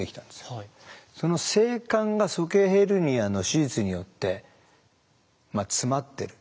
その精管が鼠径ヘルニアの手術によって詰まってる。